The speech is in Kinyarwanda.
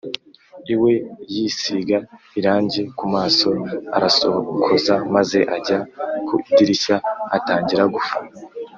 iwe yisiga irangi ku maso arasokoza maze ajya ku idirishya atangira gufana